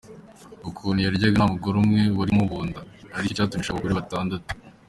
Ukuntu yaryaga nta mugore umwe wari kumubumba, ari cyo cyatumye ashaka abagore batandatu.